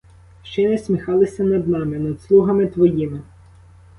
Ще й насміхалися над нами, над слугами твоїми.